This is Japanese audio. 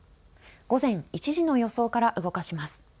午前１時の予想から動かします。